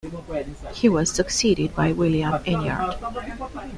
He was succeeded by William Enyart.